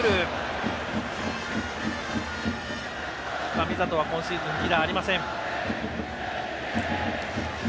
神里は今シーズン犠打がありません。